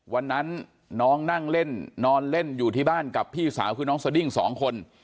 วันนั้นน้องนั่งเล่นนอนเล่นอยู่ที่บ้านกับพี่สาวคือน้องสดิ้ง๒คน